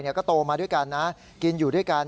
ก็โตมาด้วยกันนะกินอยู่ด้วยกัน